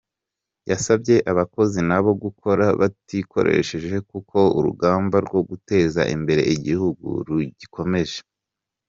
Yasabye abakozi nabo gukora batikoresheje kuko urugamba rwo guteza imbere igihugu rugikomeje.